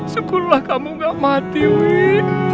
syukurlah kamu gak mati wih